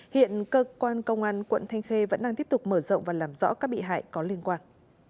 hiện cơ quan công an quận thanh khê vẫn đang tiếp tục mở rộng và làm rõ các bị hại có liên quan